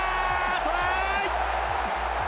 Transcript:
トライ！